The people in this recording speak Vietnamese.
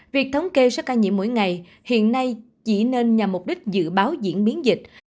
việc thống kê số ca nhiễm mỗi ngày hiện nay chỉ nên nhằm mục đích dự báo diễn biến dịch